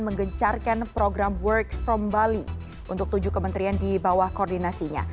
menggencarkan program work from bali untuk tujuh kementerian di bawah koordinasinya